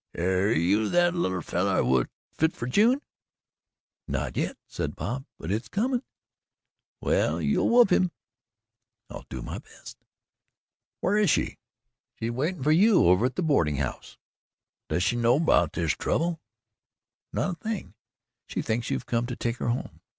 "Air you the little feller whut fit fer June?" "Not yet," said Bob; "but it's coming." "Well, you'll whoop him." "I'll do my best." "Whar is she?" "She's waiting for you over at the boarding house." "Does she know about this trouble?" "Not a thing; she thinks you've come to take her home."